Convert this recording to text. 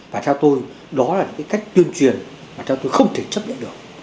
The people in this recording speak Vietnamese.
và theo tôi đó là những cái cách tuyên truyền mà theo tôi không thể chấp nhận được